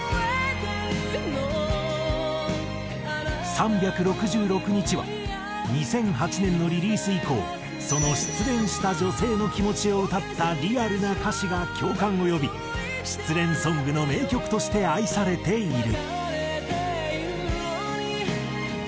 『３６６日』は２００８年のリリース以降その失恋した女性の気持ちを歌ったリアルな歌詞が共感を呼び失恋ソングの名曲として愛されている。